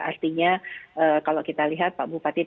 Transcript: artinya kalau kita lihat pak bupati